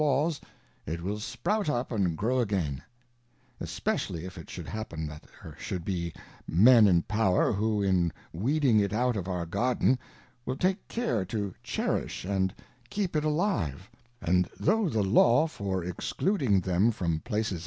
Laws, it will .sprout up and grow again ; especially if it should happen that there should bejklen in Power, who in weeding it out of our Garden, will take care to Cherish and keep it alive J and tho' the Law fqr^ excluding them from Places of HAI.